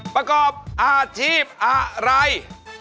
ประกอบอาทีพ์อาไหร์